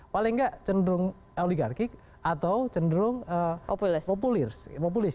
paling nggak cenderung oligarkik atau cenderung populis